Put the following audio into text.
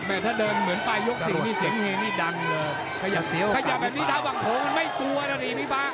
แต่ถ้าเดินเหมือนไปยกสิงห์มีเสียงมีดังเลยขยับแบบนี้เท้าหวังโถงไม่กลัวนะนี่พี่ป่า